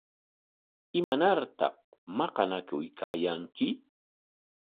¿Imanartaq maqanakuykaayanki?